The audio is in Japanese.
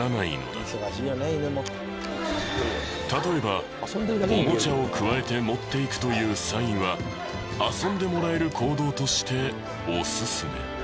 例えばおもちゃをくわえて持っていくというサインは遊んでもらえる行動としておすすめ。